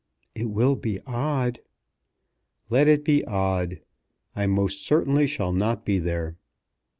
"It will be odd." "Let it be odd. I most certainly shall not be there."